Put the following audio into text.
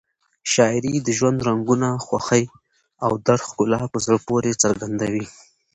شاعري د ژوند رنګونه، خوښۍ او درد ښکلا په زړه پورې څرګندوي.